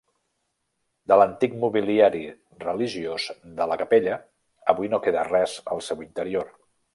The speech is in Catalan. De l'antic mobiliari religiós de la capella avui no queda res al seu interior.